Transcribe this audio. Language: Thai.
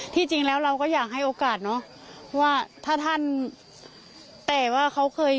จริงแล้วเราก็อยากให้โอกาสเนอะว่าถ้าท่านแต่ว่าเขาเคย